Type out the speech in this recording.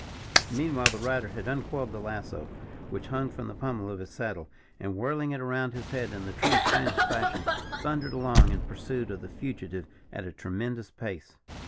Meanwhile the rider had uncoiled the lasso, which hung from the pummel of his saddle, and whirling it around his head in the true Spanish fashion, thundered along in pursuit of the fugitive at a tremendous pace.